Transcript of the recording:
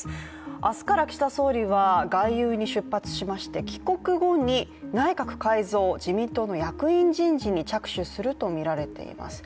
明日から岸田総理は外遊に出発しまして帰国後に内閣改造、自民党の役員人事に着手するとみられています。